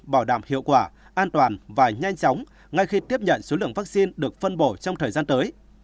bảo đảm hiệu quả an toàn và nhanh chóng ngay khi tiếp nhận số lượng vaccine được phân bổ trong thời gian tới